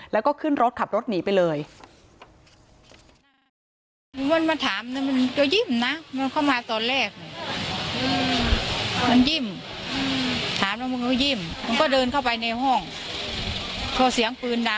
แล้วก็ขึ้นรถขับรถหนีไปเลย